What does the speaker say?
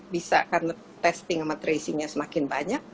bisa karena testing sama tracingnya semakin banyak